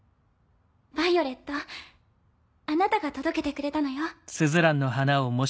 ヴァイオレットあなたが届けてくれたのよ。